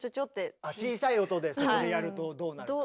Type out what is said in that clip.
小さい音でそこでやるとどうなります？